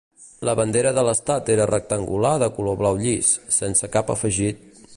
La bandera de l'estat era rectangular de color blau llis, sense cap afegit.